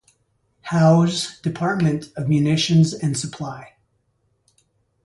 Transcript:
Howe's Department of Munitions and Supply.